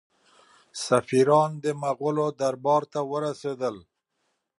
سفیران د مغولو دربار ته ورسېدل.